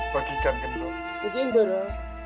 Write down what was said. bagikan ke nuro